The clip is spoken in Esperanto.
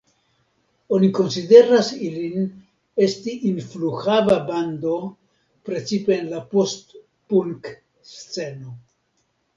Oni konsideras ilin esti influhava bando precipe en la post-punk-sceno.